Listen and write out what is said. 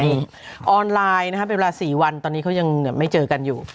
ใหม่สายค้านไงออนไลน์นะครับเวลา๔วันตอนนี้เค้ายังไม่เจอกันอยู่